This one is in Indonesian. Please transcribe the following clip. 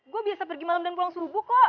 gue biasa pergi malem dan pulang suruh buko